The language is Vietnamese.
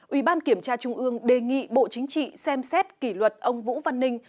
ủy ban kiểm tra trung ương đề nghị bộ chính trị xem xét kỷ luật ông vũ văn ninh